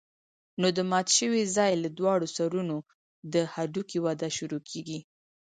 نو د مات شوي ځاى له دواړو سرونو د هډوکي وده شروع کېږي.